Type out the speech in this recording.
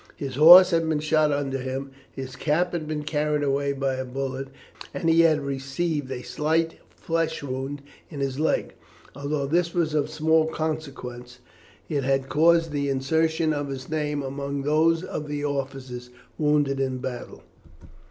His horse had been shot under him, his cap had been carried away by a bullet, and he had received a slight flesh wound in his leg. Although this was of small consequence, it had caused the insertion of his name among those of the officers wounded in the battle.